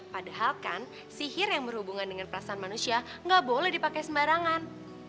padahal kan sihir yang berhubungan dengan perasaan manusia nggak boleh dipakai sembarangan